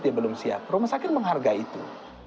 dia belum siap rumah sakit menghargai itu